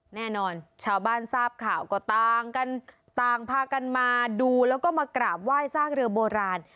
แน่นอนชาวบ้านทราบข่าวก็ต่างกันต่างพากันมาดูแล้วก็มากราบไหว้ซากเรือโบราณ